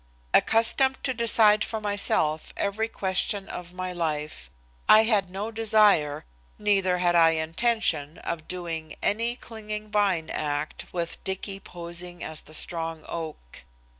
Accustomed to decide for myself every question of my life I had no desire, neither had I intention of doing, any clinging vine act with Dicky posing at the strong oak.